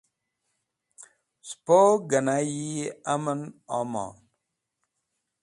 spo gẽna'yi aman amon